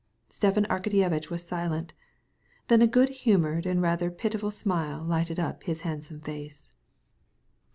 Stepan Arkadyevitch was silent a minute. Then a good humored and rather pitiful smile showed itself on his handsome face.